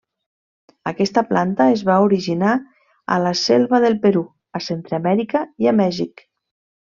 Aquesta planta es va originar a la selva del Perú, a Centreamèrica i a Mèxic.